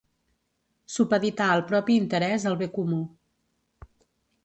Supeditar el propi interès al bé comú.